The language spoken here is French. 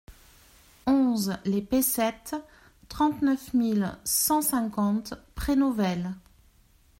onze les Pessettes, trente-neuf mille cent cinquante Prénovel